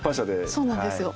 そうなんですよ。